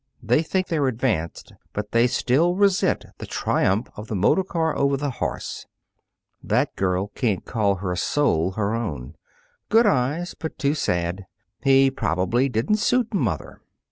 They think they're advanced, but they still resent the triumph of the motor car over the horse. That girl can't call her soul her own. Good eyes, but too sad. He probably didn't suit mother."